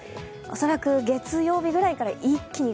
恐らく月曜日ぐらいから一気に